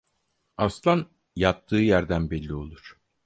Aslan yattığı yerden belli olur.